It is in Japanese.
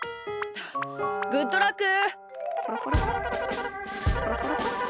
グッドラック！